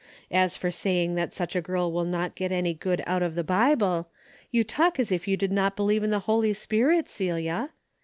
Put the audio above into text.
As for saying that such a girl will not get any good out of the Bible, you talk as if you did not believe in the Holy Spirit, Celia.